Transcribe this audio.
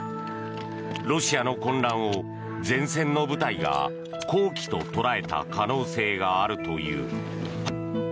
ロシアの混乱を前線の部隊が好機と捉えた可能性があるという。